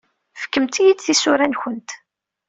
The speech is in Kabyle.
Fkemt-iyi-d tisura-nwent.